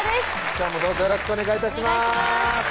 今日もどうぞよろしくお願い致します